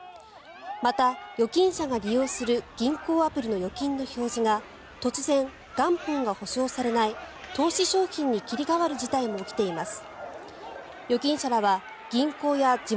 また、預金者が利用する銀行アプリの「預金」の表示が突然、元本が保証されない「投資商品」に切り替わる事態も起きています。